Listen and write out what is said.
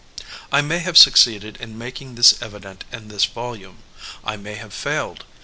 I may have succeeded in making this evident in this volume. I may have failed.